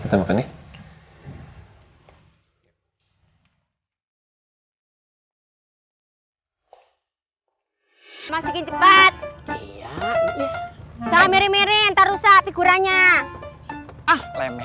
kota kota yang baik untuk centimetraan ulu u schnabel